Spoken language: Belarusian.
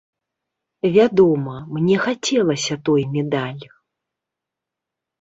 Вядома, мне хацелася той медаль.